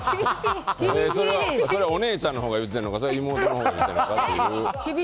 それはお姉ちゃんのほうが言うてるのかそれは妹のほうが言ってるのかっていう。